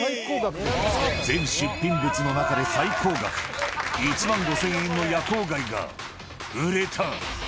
全出品物の中で最高額、１万５０００円の夜光貝が売れた。